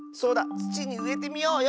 つちにうえてみようよ！